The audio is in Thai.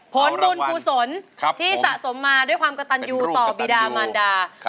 ผลบุญกุศลที่สะสมมาด้วยความกระตันยูต่อบีดามานดา